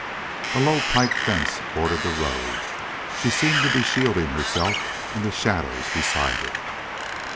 A low pike fence bordered the road. She seemed to be shielding herself in the shadows beside it.